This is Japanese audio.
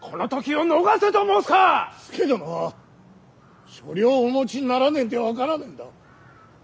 佐殿は所領をお持ちにならねえんで分からねえんだ。